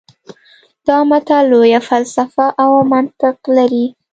دا متل لویه فلسفه او منطق لري